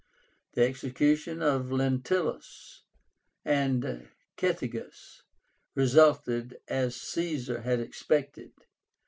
The execution of Lentulus and Cethégus resulted as Caesar had expected.